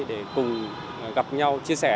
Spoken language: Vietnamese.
để cùng gặp nhau chia sẻ